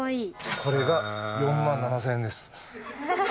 これが４万７，０００円です。